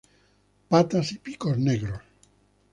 Patas y pico negros.